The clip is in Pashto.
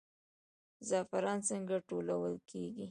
زعفران څنګه ټولول کیږي؟